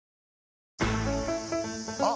あ！